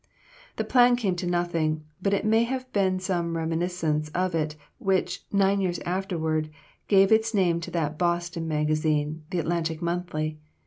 The plan came to nothing, but it may have been some reminiscence of it which, nine years afterward, gave its name to that Boston magazine, the "Atlantic Monthly."